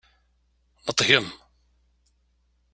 Neṭgem!